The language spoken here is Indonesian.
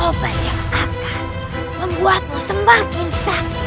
obat yang akan membuatmu semakin sakit